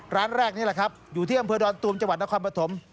ร้านแรกนี่แหละครับอยู่ที่อำเภอดอนตุมจังหวัดนครปฐม